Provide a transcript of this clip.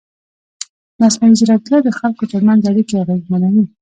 مصنوعي ځیرکتیا د خلکو ترمنځ اړیکې اغېزمنوي.